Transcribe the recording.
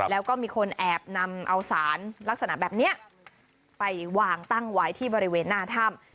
แล้วก็มีคนแอบนำเอาสารลักษณะแบบนี้ไปวางตั้งไว้ที่บริเวณหน้าถ้ำ